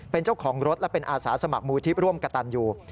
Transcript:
เป็นเจ้าของรถและเป็นอาสาสมัครมูลที่ร่วมกระตันอยู่